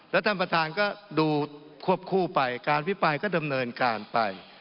แล้วท่านประธานก็ดูควบคู่ไปการพิปรายก็ดำเนินการไป